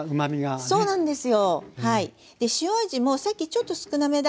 そうなんですよ。